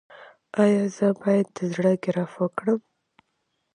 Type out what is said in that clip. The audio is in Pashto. ایا زه باید د زړه ګراف وکړم؟